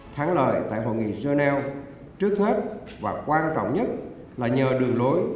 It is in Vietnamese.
thắng lời tại hội nghị geneva trước hết và quan trọng nhất là nhờ đường lối